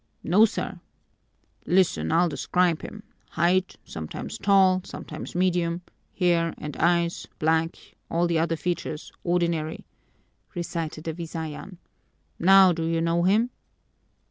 "No, sir." "Listen, I'll describe him: Height, sometimes tall, sometimes medium; hair and eyes, black; all the other features, ordinary," recited the Visayan. "Now do you know him?"